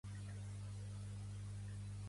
Sort que aquesta setmana tenim conductors macos